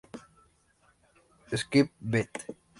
Skip Beat!